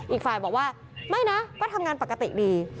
อีกฝ่ายบอกว่าไม่นะก็ทำงานปกติดี